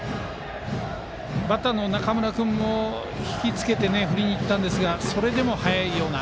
バッターの中村君も引き付けて振りにいったんですがそれでも速いような。